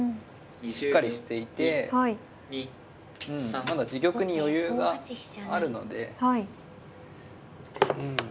しっかりしていてまだ自玉に余裕があるので。